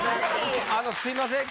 あのすいません